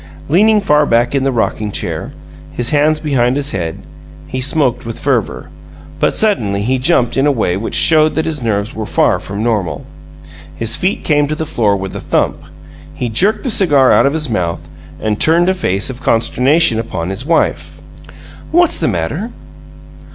Leaning far back in the rocking chair, his hands behind his head, he smoked with fervor; but suddenly he jumped in a way which showed that his nerves were far from normal. His feet came to the floor with a thump, he jerked the cigar out of his mouth, and turned a face of consternation upon his wife. "What's the matter?"